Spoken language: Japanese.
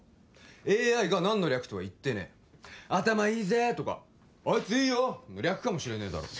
ＡＩが何の略とは言ってねえ「アタマいいぜ」とか「アイツいいよ」の略かもしれねえだろ